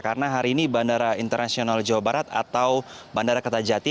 karena hari ini bandara internasional jawa barat atau bandara kertajati